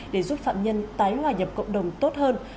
để giúp phạm nhân tái hòa nhập cộng đồng tốt hơn